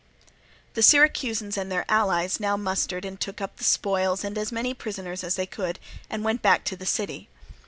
The Syracusans and their allies now mustered and took up the spoils and as many prisoners as they could, and went back to the city.